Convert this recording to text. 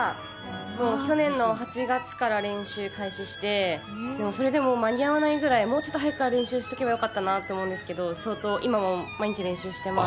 もう去年の８月から練習開始して、それでも間に合わないくらい、もうちょっと早くから練習しておけばよかったなと思うんですけれども、相当、今も毎日練習してます。